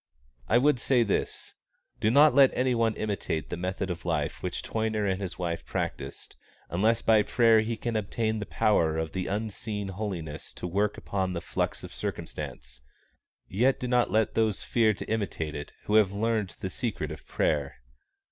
I would say this: do not let any one imitate the method of life which Toyner and his wife practised unless by prayer he can obtain the power of the unseen holiness to work upon the flux of circumstance; yet do not let those fear to imitate it who have learned the secret of prayer.